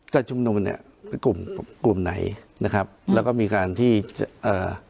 การชุมนุมเนี้ยเป็นกลุ่มกลุ่มไหนนะครับแล้วก็มีการที่เอ่อ